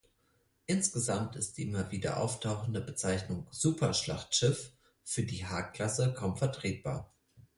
Insgesamt ist die immer wieder auftauchende Bezeichnung „Super-Schlachtschiff“ für die H-Klasse kaum vertretbar.